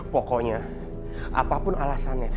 pokoknya apapun alasannya